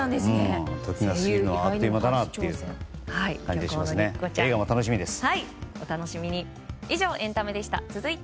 時が過ぎるのはあっという間だなという感じがしますね。